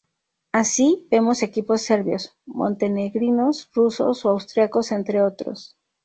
Así, vemos equipos serbios, montenegrinos, rusos o austriacos, entre otros.